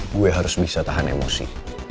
gue harus bisa tahan emosi